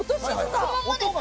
このままですか？